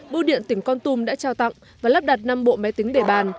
biêu điện tỉnh con tum đã trao tặng và lắp đặt năm bộ máy tính để bàn